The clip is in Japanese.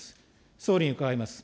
総理に伺います。